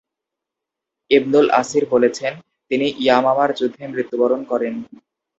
ইবনুল Asir বলেছেন, তিনি ইয়ামামার যুদ্ধে মৃত্যুবরণ করেন।